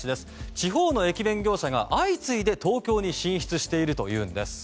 地方の駅弁業者が相次いで東京に進出しているというんです。